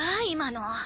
今の。